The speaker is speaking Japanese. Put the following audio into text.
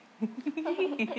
フフフ